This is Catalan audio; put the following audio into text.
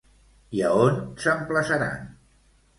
I a on s'emplaçaran?